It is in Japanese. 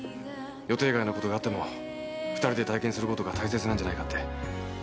予定外のことがあっても２人で体験することが大切なんじゃないかって。